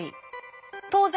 当然！